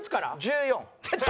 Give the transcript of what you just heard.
１４。